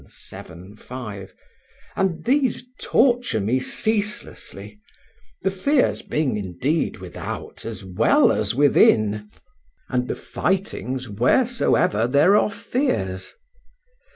vii, 5), and these torture me ceaselessly, the fears being indeed without as well as within, and the fightings wheresoever there are fears.